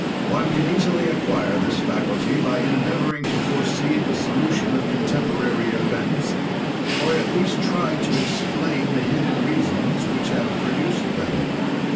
"One can easily acquire this faculty by endeavoring to foresee the solution of contemporary events; or at least try to explain the hidden reasons which have produced them.